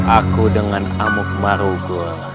aku dengan amuk marugut